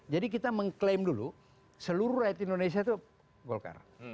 jadi kita mengklaim dulu seluruh rakyat indonesia itu golkar